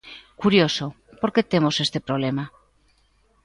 Curioso: ¿por que temos este problema?